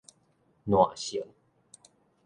爛性